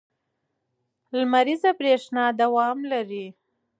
لمریزه برېښنا دوام لري.